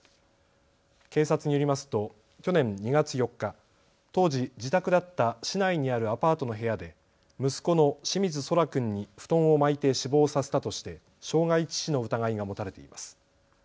警察によりますと去年２月４日、当時自宅だった市内にあるアパートの部屋で息子の清水奏良君に布団を巻いて死亡させたとして傷害致死の疑いが持たれています。